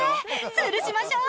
つるしましょう！